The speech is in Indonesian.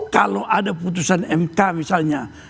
kalau ada putusan mk misalnya